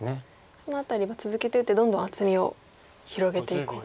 その辺りは続けて打ってどんどん厚みを広げていこうと。